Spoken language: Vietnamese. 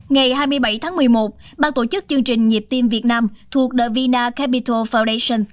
ngày hai mươi bảy tháng một mươi một ban tổ chức chương trình nhịp tim việt nam thuộc the vina capital foundation